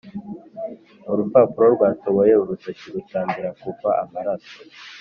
urupapuro rwatoboye urutoki rutangira kuva amaraso.